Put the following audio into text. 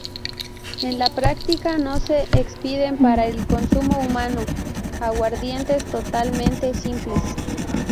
En la práctica no se expiden para el consumo humano aguardientes totalmente simples.